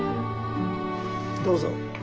どうぞ。